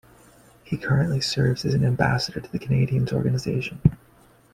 He currently serves as an ambassador to the Canadiens organization.